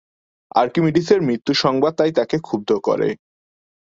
আর্কিমিডিসের মৃত্যুসংবাদ তাই তাকে ক্ষুব্ধ করে।